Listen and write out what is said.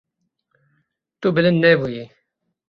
Tu bilind nebûyî.